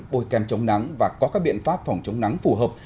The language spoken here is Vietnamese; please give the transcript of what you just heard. bôi kem chống nắng và có các biện pháp phòng chống nắng phù hợp